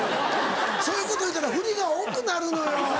そういうこと言うたらふりが多くなるのよ。